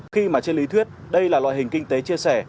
khi mà trên lý thuyết đây là loại hình kinh tế chia sẻ